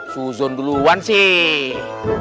suzun duluan sih